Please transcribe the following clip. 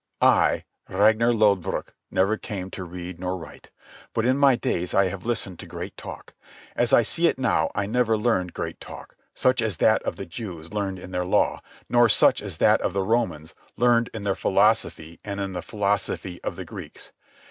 I, Ragnar Lodbrog, never came to read nor write. But in my days I have listened to great talk. As I see it now, I never learned great talk, such as that of the Jews, learned in their law, nor such as that of the Romans, learned in their philosophy and in the philosophy of the Greeks.